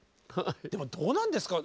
でもどうなんですか？